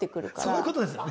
そういうことですよね。